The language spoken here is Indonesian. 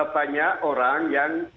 banyak orang yang